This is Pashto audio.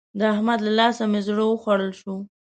د احمد له لاسه مې زړه وخوړل شو.